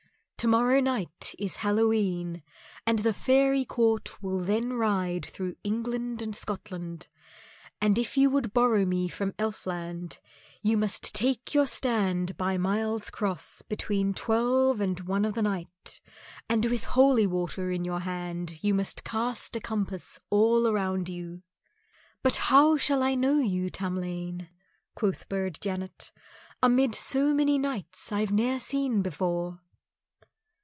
To morrow night is Hallowe'en, and the fairy court will then ride through England and Scotland, and if you would borrow me from Elfland you must take your stand by Miles Cross between twelve and one o' the night, and with holy water in your hand you must cast a compass all around you." "But how shall I know you, Tamlane?" quoth Burd Janet, "amid so many knights I've ne'er seen before?"